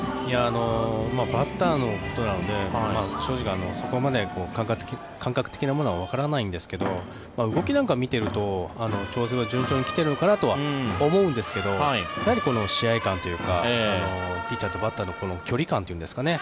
バッターのことなので正直、そこまで感覚的なものはわからないんですけど動きなんかを見ていると調子が順調に来ているのかなと思うんですがやはり試合勘というかピッチャーとバッターのこの距離感というんですかね